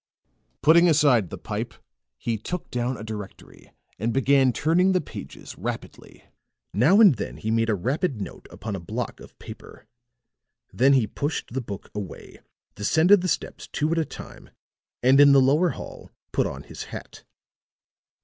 Putting aside the pipe he took down a directory and began turning the pages rapidly. Now and then he made a rapid note upon a block of paper. Then he pushed the book away, descended the steps two at a time, and in the lower hall put on his hat.